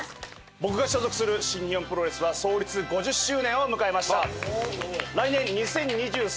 僕が所属する新日本プロレスは創立５０周年を迎えました。